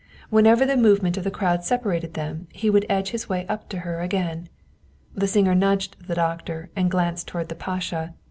Whenever the movement of the crowd separated them, he would edge his way up to her again. The singer nudged the doctor and glanced toward the pasha.